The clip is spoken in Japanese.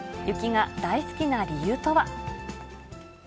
雪が大好きな理由とは。